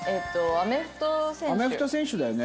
アメフト選手だよね。